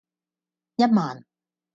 一萬